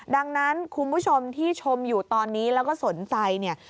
ดังนั้นคุณผู้ชมที่ชมอยู่ตอนนี้แล้วก็สนใจเนี่ย